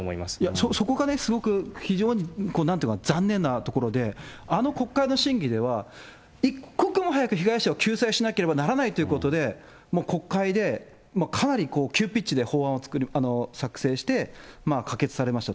そこがね、すごく非常になんというか、残念なところで、あの国会の審議では、一刻も早く被害者を救済しなければならないということで、国会でかなり急ピッチで法案を作成して、可決されました。